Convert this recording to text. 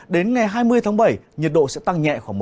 đến ngày hai mươi tháng bảy nhiệt độ sẽ tăng nhẹ khoảng một mươi